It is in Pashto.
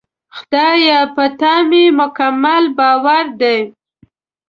خدایه! په تا مې مکمل باور دی.